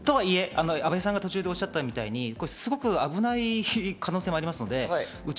とはいえ阿部さんが途中でおっしゃったようにすごく危ない可能性があります。